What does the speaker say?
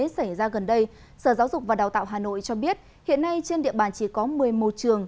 xảy ra gần đây sở giáo dục và đào tạo hà nội cho biết hiện nay trên địa bàn chỉ có một mươi một trường